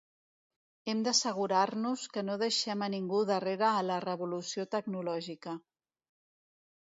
Hem d'assegurar-nos que no deixem a ningú darrere a la revolució tecnològica.